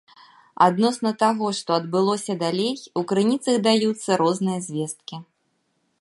Адносна таго, што адбылося далей, у крыніцах даюцца розныя звесткі.